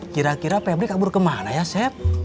kira kira pebri kabur kemana ya sep